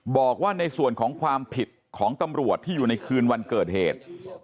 บอกว่าในส่วนของความผิดของตำรวจที่อยู่ในคืนวันเกิดเหตุ